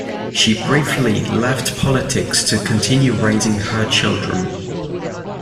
She briefly left politics to continue raising her children.